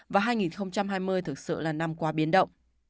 và hai nghìn hai mươi thực sự là năm quá biến động